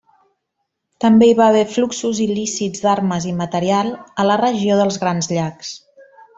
També hi va haver fluxos il·lícits d'armes i material a la regió dels Grans Llacs.